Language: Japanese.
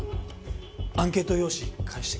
アンケート用紙返してください。